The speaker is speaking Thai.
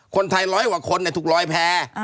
คนไทยร้อยกว่าคนถูกลอยแพ้